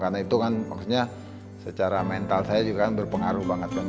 karena itu kan maksudnya secara mental saya juga kan berpengaruh banget kan